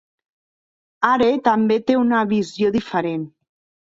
Hare també té una visió diferent.